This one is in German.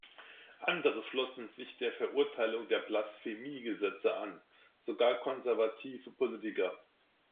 Andere schlossen sich der Verurteilung der Blasphemiegesetze an, sogar konservative Politiker.